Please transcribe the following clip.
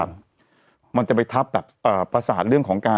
เราก็มีความหวังอะ